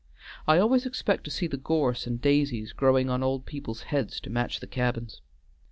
I always expect to see the gorse and daisies growing on the old people's heads to match the cabins.